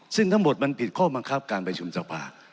ซึ่งทั้งหมดมันผิดข้อบังคับการประชุมสภา